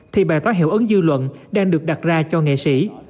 thì bài tóa hiệu ấn dư luận đang được đặt ra cho nghệ sĩ